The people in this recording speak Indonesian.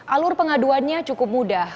alur pengaduannya cukup mudah